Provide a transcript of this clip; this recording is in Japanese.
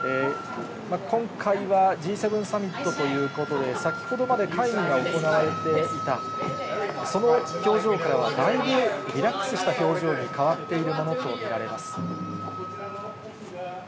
今回はＧ７サミットということで、先ほどまで会議が行われていた、その表情からはだいぶリラックスした表情に変わっているものと見られます。